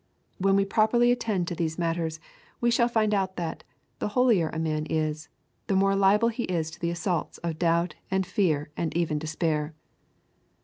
When we properly attend to these matters we shall find out that, the holier a man is, the more liable he is to the assaults of doubt and fear and even despair.